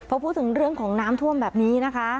พอพูดถึงเรื่องของน้ำท่วมแบบนี้นะคะ